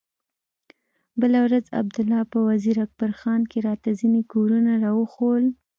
بله ورځ عبدالله په وزير اکبر خان کښې راته ځينې کورونه راوښوول.